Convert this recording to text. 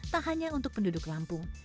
tak hanya untuk penduduk lampung